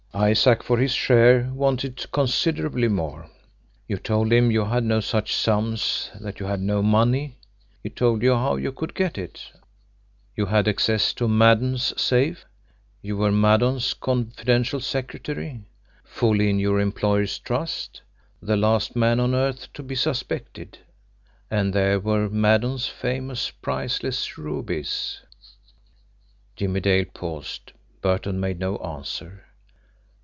Isaac, for his share, wanted considerably more. You told him you had no such sums, that you had no money. He told you how you could get it you had access to Maddon's safe, you were Maddon's confidential secretary, fully in your employer's trust, the last man on earth to be suspected and there were Maddon's famous, priceless rubies." Jimmie Dale paused. Burton made no answer.